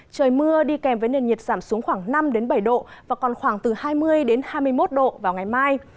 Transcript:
trời mưa đi kèm với nền nhiệt giảm xuống khoảng năm bảy độ và còn khoảng từ hai mươi hai mươi một độ vào ngày mai